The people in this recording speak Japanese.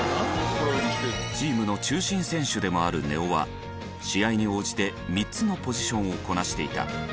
チームの中心選手でもある根尾は試合に応じて３つのポジションをこなしていた。